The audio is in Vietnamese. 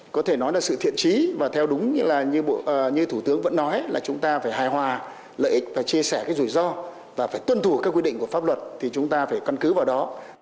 có thể nói là sự thiện trí và theo đúng như là như thủ tướng vẫn nói là chúng ta phải hài hòa lợi ích và chia sẻ cái rủi ro và phải tuân thủ các quy định của pháp luật thì chúng ta phải căn cứ vào đó